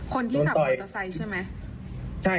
คนที่ขับมอเตอร์ไซค์ใช่ไหม